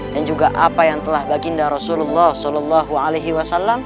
dan juga apa yang telah baginda rasulullah saw